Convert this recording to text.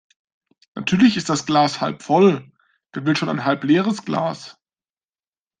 Natürlich ist das Glas halb voll. Wer will schon ein halbleeres Glas?